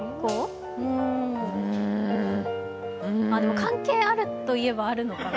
でも、関係あると言えばあるのかな？